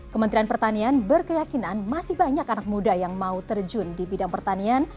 kementerian pertanian berkeyakinan masih banyak anak muda yang mau terjun di bidang pertanian